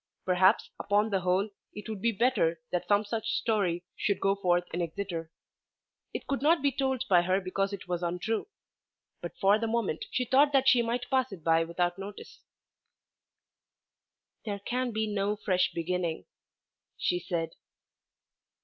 Perhaps upon the whole it would be better that some such story should go forth in Exeter. It could not be told by her because it was untrue; but for the moment she thought that she might pass it by without notice. "There can be no fresh beginning," she said.